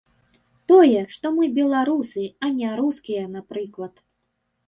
Тое, што мы беларусы, а не рускія, напрыклад.